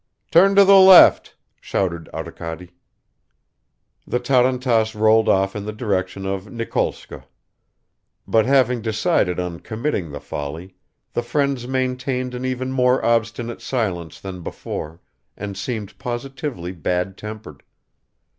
"Turn to the left," shouted Arkady. The tarantass rolled off in the direction of Nikolskoe. But having decided on committing the folly, the friends maintained an even more obstinate silence than before, and seemed positively bad tempered.